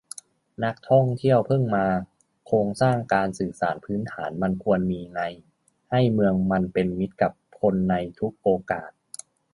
นักท่องเที่ยวเพิ่งมา โครงสร้างการสื่อสารพื้นฐานมันควรมีไง ให้เมืองมันเป็นมิตรกับคนในทุกโอกาส